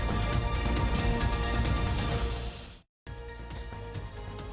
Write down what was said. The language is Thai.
นอกจากประเด็นที่